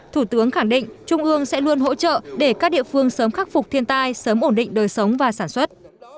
thủ tướng khẳng định trung ương sẽ luôn hỗ trợ để các địa phương sớm khắc phục thiên tai sớm ổn định đời sống và sản xuất